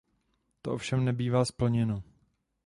To ovšem nebývá splněno.